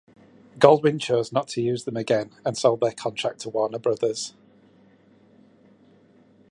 Goldwyn chose not to use them again and sold their contract to Warner Brothers.